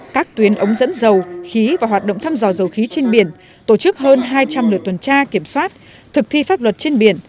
các tuyến ống dẫn dầu khí và hoạt động thăm dò dầu khí trên biển tổ chức hơn hai trăm linh lượt tuần tra kiểm soát thực thi pháp luật trên biển